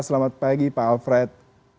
selamat pagi pak alfred